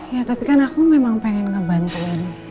ya tapi kan aku memang pengen ngebantuin